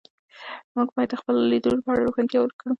مورخ باید د خپلو لیدلورو په اړه روښانتیا ورکړي.